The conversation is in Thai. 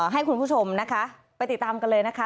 ให้คุณผู้ชมนะคะไปติดตามกันเลยนะคะ